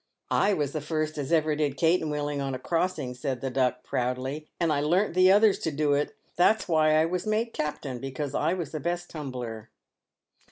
" I was the first as ever did caten wheeling on a crossing," said the Duck, proudly, " and I learnt the others to do it. That's why I was made Capten, because I was the best tumbler."